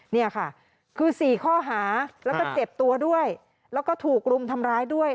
นี่ค่ะคือ๔ข้อหาแล้วก็เจ็บตัวด้วยแล้วก็ถูกรุมทำร้ายด้วย